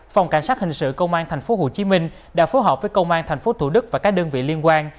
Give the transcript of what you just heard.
phòng cảnh sát hình sự công an tp hcm đã phối hợp với công an tp thủ đức và các đơn vị liên quan